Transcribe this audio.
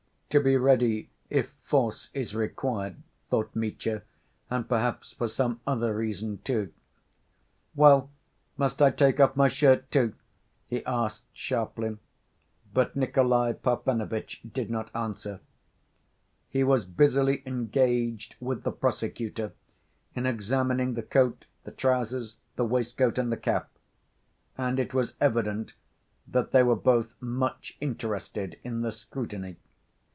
"To be ready if force is required," thought Mitya, "and perhaps for some other reason, too." "Well, must I take off my shirt, too?" he asked sharply, but Nikolay Parfenovitch did not answer. He was busily engaged with the prosecutor in examining the coat, the trousers, the waistcoat and the cap; and it was evident that they were both much interested in the scrutiny.